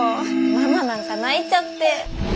ママなんか泣いちゃって。